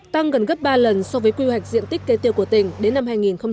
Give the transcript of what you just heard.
tăng gần gấp ba lần so với quy hoạch diện tích kế tiêu của tỉnh đến năm hai nghìn hai mươi